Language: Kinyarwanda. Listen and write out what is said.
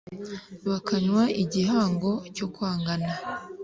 Bakanywa igihango cyo kwangana